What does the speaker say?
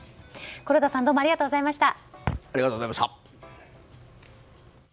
黒田さんどうもありがとうございました。